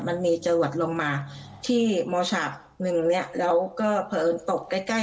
มันมีจะหวัดลงมาที่โมชาติหนึ่งเนี่ยแล้วก็เผลออื่นตกใกล้